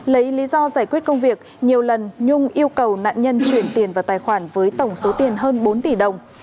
lấy lý do giải quyết công việc nhiều lần nhung yêu cầu nạn nhân chuyển tiền vào tài khoản với tổng số tiền hơn bốn tỷ đồng